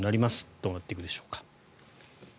どうなっていくでしょうか。